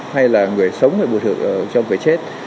hay là người sống phải bồi thường cho người chết